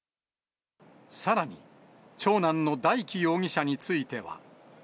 さらに、長男の大祈容疑者については。